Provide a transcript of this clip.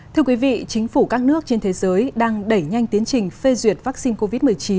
thưa quý vị chính phủ các nước trên thế giới đang đẩy nhanh tiến trình phê duyệt vaccine covid một mươi chín